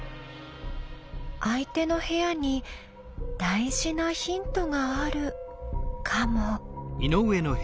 相手の部屋に大事なヒントがあるかも。